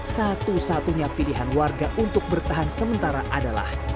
satu satunya pilihan warga untuk bertahan sementara adalah